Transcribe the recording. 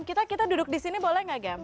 kita duduk di sini boleh nggak gam